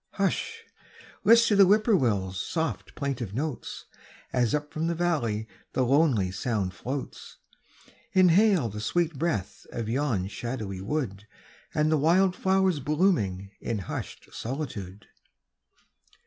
Hush! list to the Whip poor will's soft plaintive notes, As up from the valley the lonely sound floats, Inhale the sweet breath of yon shadowy wood And the wild flowers blooming in hushed solitude.